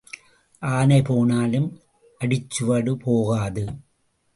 ஆனை போனாலும் அடிச்சுவடு போகாது.